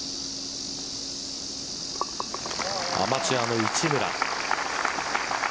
アマチュアの市村。